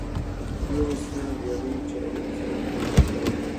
دې وسیلې له بیړۍ چلولو سره پوره مرسته وکړه.